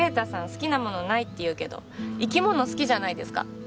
好きなものないって言うけど生き物好きじゃないですか